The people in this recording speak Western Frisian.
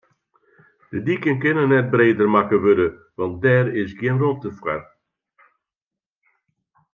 De diken kinne net breder makke wurde, want dêr is gjin romte foar.